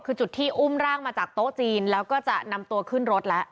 คือจุดที่อุ้มร่างมาจากโต๊ะจีนแล้วก็จะนำตัวขึ้นรถแล้ว